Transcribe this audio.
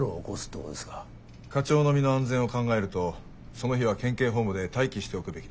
課長の身の安全を考えるとその日は県警本部で待機しておくべきでは？